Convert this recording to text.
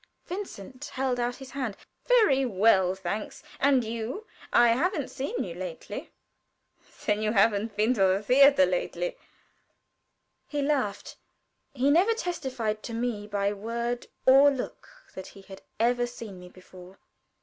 _" Vincent held out his hand. "Very well, thanks. And you? I haven't seen you lately." "Then you haven't been at the theater lately," he laughed. He never testified to me by word or look that he had ever seen me before.